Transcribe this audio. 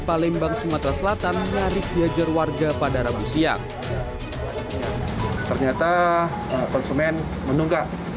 palembang sumatera selatan nyaris diajar warga pada rabu siang ternyata konsumen menunggak